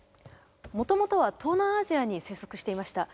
もともとは東南アジアに生息していました。